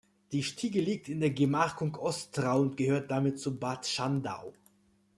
Die Stiege liegt in der Gemarkung Ostrau und gehört damit zu Bad Schandau.